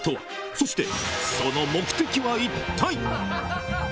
そしてその目的は一体⁉